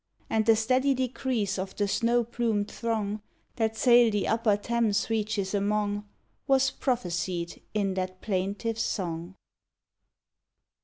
And the steady decrease of the snow plumed throng That sail the upper Thames reaches among, Was prophesied in that plaintive song.